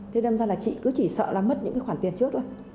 thế đâm ra là chị cứ chỉ sợ là mất những cái khoản tiền trước thôi